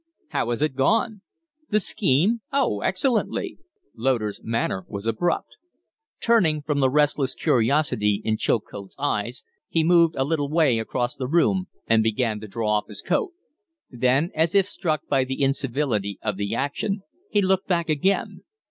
How has it gone?" "The scheme? Oh, excellently!" Loder's manner was abrupt. Turning from the restless curiosity in Chilcote's eyes, he moved a little way across the room and began to draw off his coat. Then, as if struck by the incivility of the action, he looked back again.